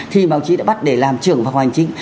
thì bác sĩ đã bắt để làm trường vòng hành chính